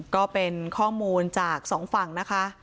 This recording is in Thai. ก็เป็นข้อมูลจากสองฝั่งนะคะ